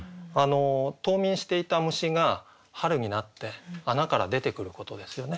冬眠していた虫が春になって穴から出てくることですよね